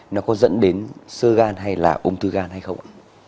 nó có dẫn đến sơ gan hay là ung tư gan hay không